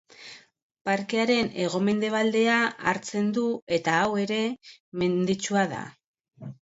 Parkearen hego-mendebaldea hartzen du eta hau ere menditsua da.